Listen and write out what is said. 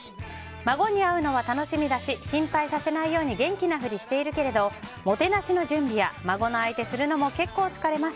孫に会うのは楽しみだし心配させないように元気な振りしているけれどもてなしの準備や孫の相手するのも結構、疲れます。